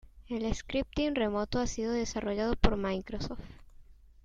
El scripting remoto ha sido desarrollado por Microsoft.